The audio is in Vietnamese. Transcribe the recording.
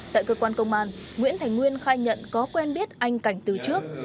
tại cơ quan công an nguyễn thành nguyên khai nhận có quen biết anh cảnh từ trước